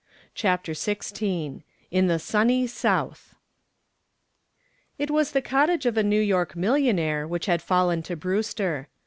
CHAPTER XVI IN THE SUNNY SOUTH It was the cottage of a New York millionaire which had fallen to Brewster.